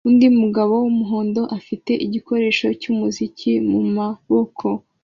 undi mugabo wumuhondo afite igikoresho cyumuziki mumaboko